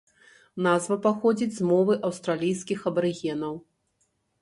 Назва паходзіць з мовы аўстралійскіх абарыгенаў.